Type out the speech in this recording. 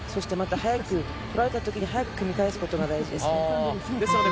取られたとき早く組み返すことが大事です。